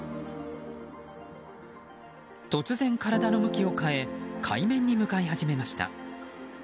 突然、体の向きを変え海面に向かい始めました。